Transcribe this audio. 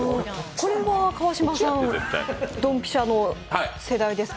これは川島さん、ドンピシャの世代ですか？